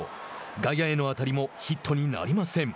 外野への当たりもヒットになりません。